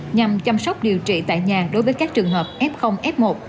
nhằm chăm sóc điều trị tại nhà đối với các trường hợp f f một